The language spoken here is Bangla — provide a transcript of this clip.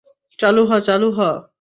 চালু হ, চালু হ!